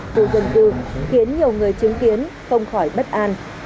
khu dân cư khiến nhiều người chứng kiến không khỏi bất an